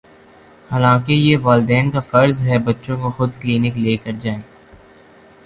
حالانکہ یہ والدین کافرض ہے بچوں کو خودکلینک لےکرجائیں۔